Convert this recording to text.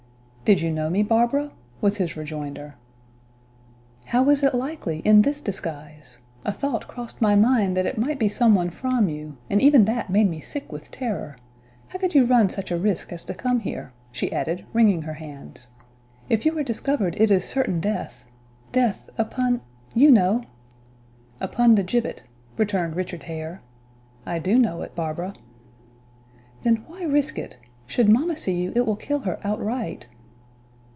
"Did you know me, Barbara?" was his rejoinder. "How was it likely in this disguise? A thought crossed my mind that it might be some one from you, and even that made me sick with terror. How could you run such a risk as to come here?" she added, wringing her hands. "If you are discovered, it is certain death; death upon you know!" "Upon the gibbet," returned Richard Hare. "I do know it, Barbara." "Then why risk it? Should mamma see you it will kill her outright."